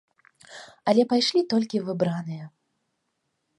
Але пайшлі толькі выбраныя.